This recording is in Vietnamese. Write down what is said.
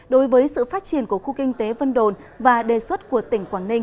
đối với sự phát triển của khu kinh tế vân đồn và đề xuất của tỉnh quảng ninh